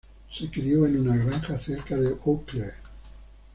Se crio en una granja cerca de Eau Claire.